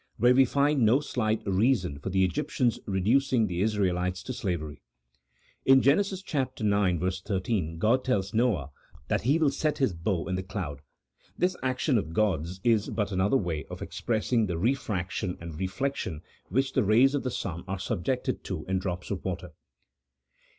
where we find no slight reason for the Egyptians, reducing the Israelites to slavery. In Genesis ix. 13, God tells Noah that He will set His bow in the cloud ; this action of God's is but another way of expressing the refraction and reflection which the rays of the sun are subjected to in drops of water.